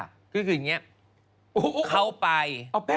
คืออย่างนี้เขาไป